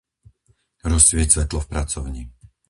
Rozsvieť svetlo v pracovni.